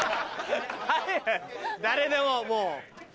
はい誰でももう。